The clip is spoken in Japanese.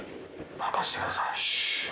任してください。